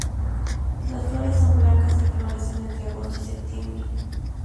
Las flores son blancas y florecen entre agosto y septiembre.